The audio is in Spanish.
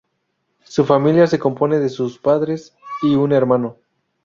Su familia se compone de sus padres y un hermano.